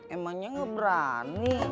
emangnya nggak berani